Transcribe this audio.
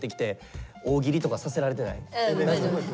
大丈夫です。